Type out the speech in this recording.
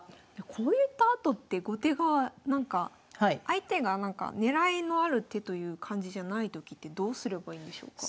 こういったあとって後手側なんか相手がなんか狙いのある手という感じじゃないときってどうすればいいんでしょうか？